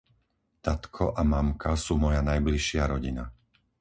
Tatko a mamka sú moja najbližšia rodina.